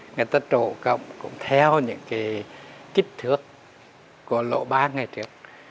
người ta trộn cũng theo những cái kích thước của lộ ba ngày trước